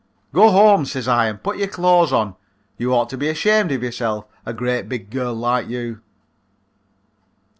"'Go home,' says I, 'and put your clothes on. You ought to be ashamed of yourself a great big girl like you.'